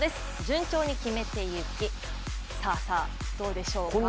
順調に決めていきさあ、どうでしょうか。